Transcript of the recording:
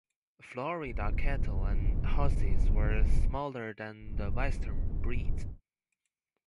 Florida cattle and horses were smaller than the western breeds.